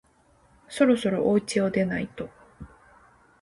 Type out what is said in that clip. そろそろおうちを出ないと